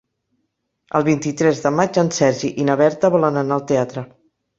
El vint-i-tres de maig en Sergi i na Berta volen anar al teatre.